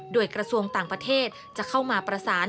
โดยกระทรวงต่างประเทศจะเข้ามาประสาน